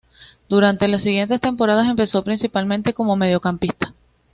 Durante las siguientes temporadas empezó principalmente como mediocampista.